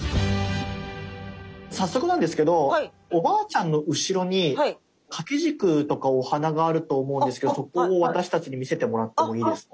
早速なんですけどおばあちゃんの後ろに掛け軸とかお花があると思うんですけどそこを私たちに見せてもらってもいいですか？